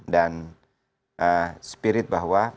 dan spirit bahwa